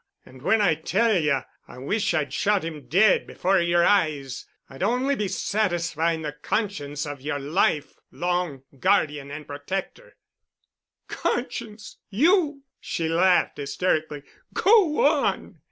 And when I tell ye I wish I'd shot him dead before yer eyes, I'd only be satisfying the conscience of yer life long guardian and protector——" "Conscience! You!" she laughed hysterically. "Go on."